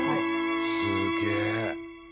すげえ。